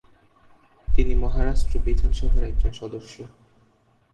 তিনি মহারাষ্ট্র বিধানসভার একজন সদস্য।